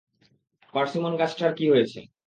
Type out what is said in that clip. Persimmon গাছটার কী হয়েছে?